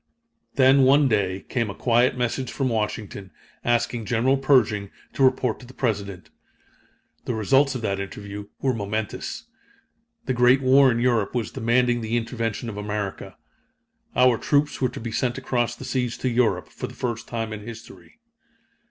Then, one day, came a quiet message from Washington, asking General Pershing to report to the President. The results of that interview were momentous. The Great War in Europe was demanding the intervention of America. Our troops were to be sent across the seas to Europe for the first time in history.